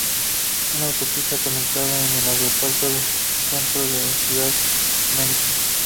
Una autopista conecta el aeropuerto con el centro de la ciudad de Nankín.